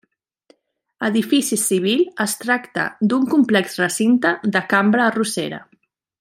Edifici civil, es tracta d'un complex recinte de cambra arrossera.